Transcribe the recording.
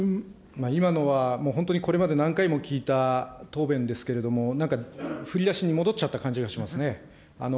今のはもう本当にこれまで何回も聞いた答弁ですけれども、なんか振り出しに戻っちゃった感じがしますね。